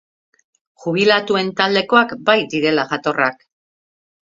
Jubilatuen taldekoak bai direla jatorrak!